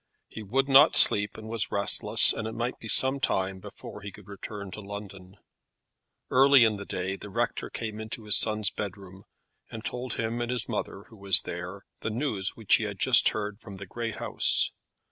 He would not sleep, and was restless, and it might be some time before he could return to London. Early in the day the rector came into his son's bedroom, and told him and his mother, who was there, the news which he had just heard from the great house.